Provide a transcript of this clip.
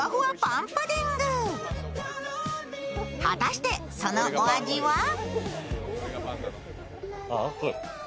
果たして、そのお味は？